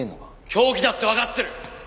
凶器だってわかってる。